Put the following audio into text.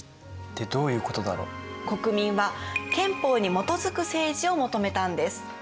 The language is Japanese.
国民は憲法に基づく政治を求めたんです。